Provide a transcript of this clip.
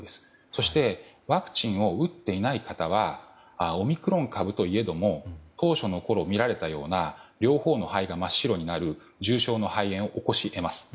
そしてワクチンを打っていない方はオミクロン株といえども当初のころ見られたような両方の肺が真っ白になる重症の肺炎を起こし得ます。